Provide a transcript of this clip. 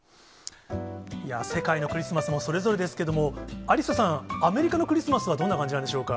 世界のクリスマスもそれぞれですけれども、アリッサさん、アメリカのクリスマスはどんな感じなんでしょうか。